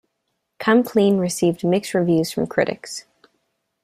"Come Clean" received mixed reviews from critics.